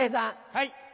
はい。